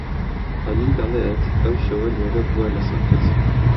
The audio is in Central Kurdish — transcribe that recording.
عەلی دەڵێت ئەو شەوە لێرە بووە لە سەقز.